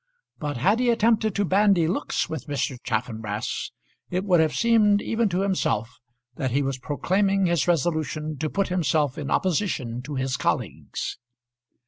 But had he attempted to bandy looks with Mr. Chaffanbrass, it would have seemed even to himself that he was proclaiming his resolution to put himself in opposition to his colleagues.